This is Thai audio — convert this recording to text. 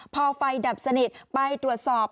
พอไฟดับสนิทไปตรวจสอบ